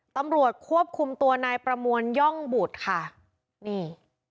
ตำรวจควบคุมตัวนายประมวลย่องบุตรค่ะนี่